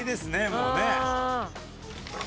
もうね。